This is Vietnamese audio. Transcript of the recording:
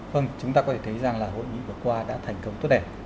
vâng chúng ta có thể thấy rằng là hội nghị vừa qua đã thành công tốt đẹp